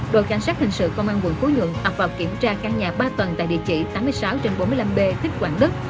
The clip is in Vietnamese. đội cảnh sát hình sự công an quận phú nhuận ập vào kiểm tra căn nhà ba tầng tại địa chỉ tám mươi sáu trên bốn mươi năm b thích quảng đức